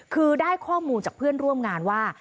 คือได้ข้อมูลจากเพื่อนร่วมงานว่า